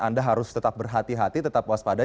anda harus tetap berhati hati tetap waspada